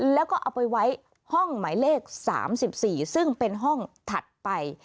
แล้วก็เอาไปไว้ห้องหมายเลข๓๔ซึ่งเป็นห้องถัดไป